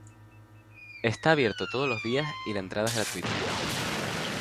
Está abierto todos los días y la entrada es gratuita.